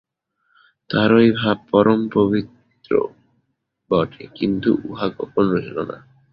তাহার ঐ ভাব পরম পবিত্র বটে, কিন্তু উহা গোপন রহিল না।